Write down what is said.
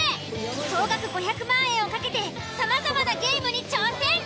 総額５００万円を懸けてさまざまなゲームに挑戦。